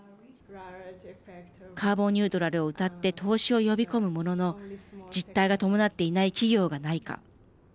カーボンニュートラルをうたって投資を呼び込むものの実態が伴っていない企業がないか。